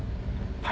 はい。